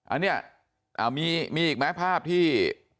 อันเนี่ยมีอีกแม้ภาพที่